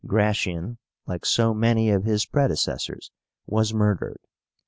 Gratian, like so many of his predecessors, was murdered.